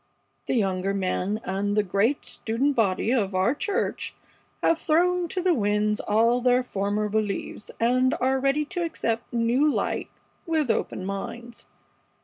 The younger men, and the great student body of our church, have thrown to the winds all their former beliefs and are ready to accept new light with open minds.